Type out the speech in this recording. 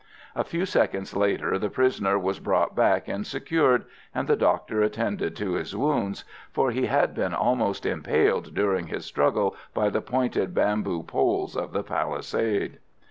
A few seconds later the prisoner was brought back and secured, and the doctor attended to his wounds, for he had been almost impaled during his struggle by the pointed bamboo poles of the palisade.